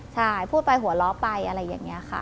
ใช่พูดไปหัวเราะไปอะไรอย่างนี้ค่ะ